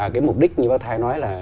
cái mục đích như bác thái nói là